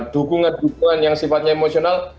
dukungan dukungan yang sifatnya emosional